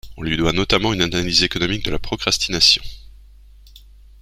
On lui doit notamment une analyse économique de la procrastination.